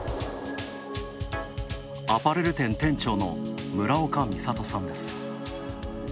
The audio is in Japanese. アパレル店店長の村岡美里さんです。